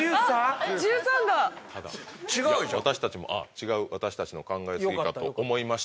ただ私たちも違う私たちの考え過ぎかと思いました。